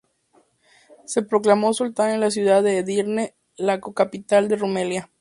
Se proclamó Sultán en la ciudad de Edirne, la co-capital de Rumelia.